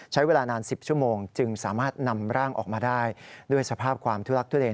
ใช้เวลานาน๑๐ชั่วโมงจึงสามารถนำร่างออกมาได้ด้วยสภาพความทุลักทุเล